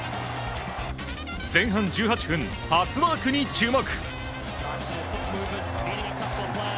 前半１８分、パスワークに注目。